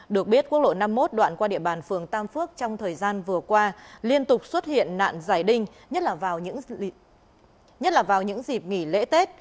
được biết quốc lộ năm mươi một đoạn qua địa bàn phường tam phước trong thời gian vừa qua liên tục xuất hiện nạn giải đinh nhất là vào nhất là vào những dịp nghỉ lễ tết